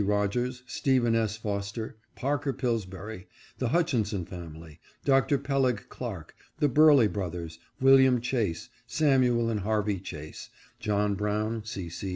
Rodgers, Stephen S. Foster, Parker Pillsbury, the Hutchinson family, Dr. Peleg Clark, the Burleigh broth ers, William Chase, Samuel and Harvey Chase, John Brown, C. C.